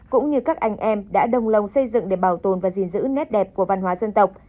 cũng như các anh em đã đồng lòng xây dựng để bảo tồn và gìn giữ nét đẹp của văn hóa dân tộc